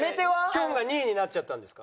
きょんが２位になっちゃったんですか？